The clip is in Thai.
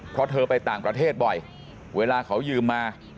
เพราะเธอไปต่างประเทศบ่อยเวลาเขายืมมา